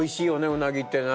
うなぎってね。